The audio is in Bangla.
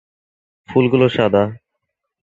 ফুলগুলো সাদা।